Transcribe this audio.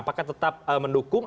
apakah tetap mendukung